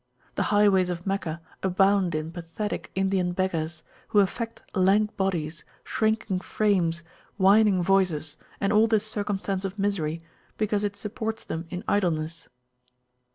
The highways of Meccah abound in pathetic Indian beggars, who affect lank bodies, shrinking frames, whining voices, and all the circumstance of misery, because it supports them in idleness.